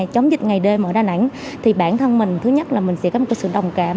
chống dịch ngày đêm ở đà nẵng thì bản thân mình thứ nhất là mình sẽ có một sự đồng cảm